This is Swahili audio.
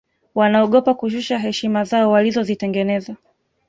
wanaogopa kushusha heshima zao walizozitengeneza